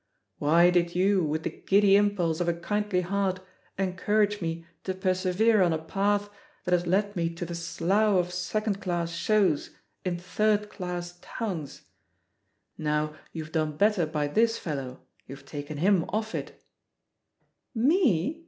"Why did you, with the giddy impulse of a kindly heart, encourage me to persevere on a path that has led me to the slough of second class shows in third class towns? Now, youVe done better by this fellow, youVe taken him off itr "Me?"